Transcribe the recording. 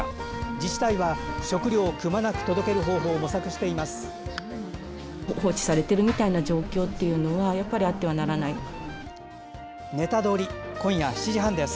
自治体は食料をくまなく届ける方法を模索しています。